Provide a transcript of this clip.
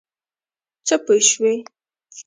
څه پوه شوې؟